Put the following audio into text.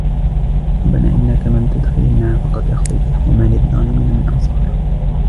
رَبَّنَا إِنَّكَ مَنْ تُدْخِلِ النَّارَ فَقَدْ أَخْزَيْتَهُ وَمَا لِلظَّالِمِينَ مِنْ أَنْصَارٍ